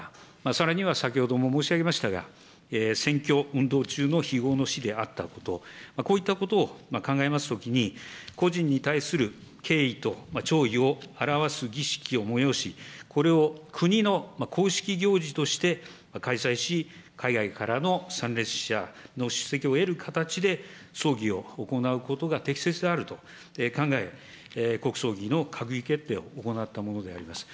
さらには先ほども申し上げましたが、選挙運動中の非業の死であったこと、こういったことを考えますときに、故人に対する敬意と弔意を表す儀式を催し、これを国の公式行事として開催し、海外からの参列者の出席をえる形で、葬儀を行うことが適切であると考え、国葬儀の閣議決定を行ったものであります。